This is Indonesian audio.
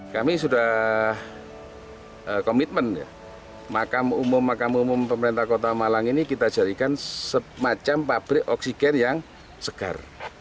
kami sudah komitmen ya makam umum makam umum pemerintah kota malang ini kita jadikan semacam pabrik oksigen yang segar